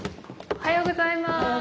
おはようございます。